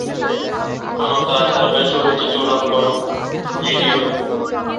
অন্যথায়, সার্বিয়ার সর্বোচ্চ চূড়া হলো মিডিয়র।